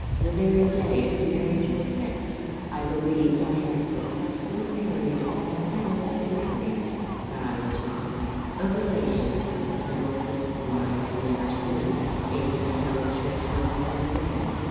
"The very day of the marriage was fixed. I believed I had successfully parried all perilous inquiries but I was wrong. A relation of the family, whom I had never seen, came to town a short time before the wedding.